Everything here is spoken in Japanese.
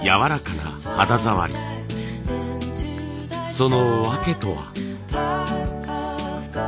その訳とは。